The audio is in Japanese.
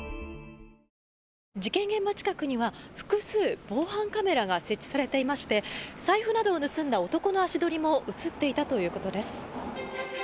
事件現場近くには複数、防犯カメラが設置されていまして財布などを盗んだ男の足取りも映っていたということです。